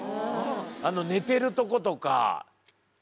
あの寝てるとことか。